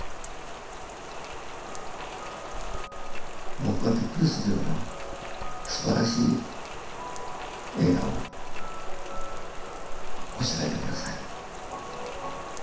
僕がびっくりするようなすばらしい映画をこしらえて下さい。